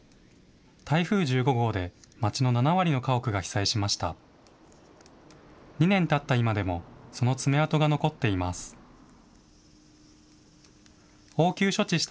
台風１５号で町の７割の家屋が被災しました。